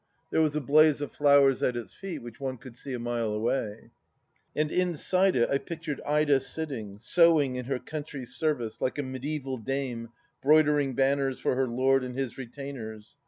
... There was a blaze of flowers at its feet which one could see a mile away, .., And inside it, I pictured Ida sitting, sewing in her country's service, like a mediaeval dame 'broidering banners for her lord and his retainers.